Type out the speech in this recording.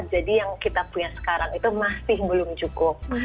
jadi yang kita punya sekarang itu masih belum cukup